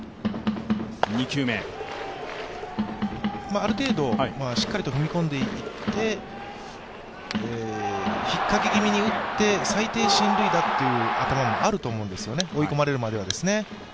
ある程度、しっかりと踏み込んでいって引っかけ気味に打って最低進塁打という頭もあると思うんですよね。